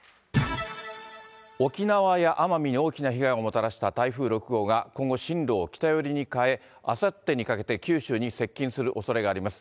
沖縄や奄美に大きな被害をもたらした台風６号が今後、進路を北寄りに変え、あさってにかけて九州に接近するおそれがあります。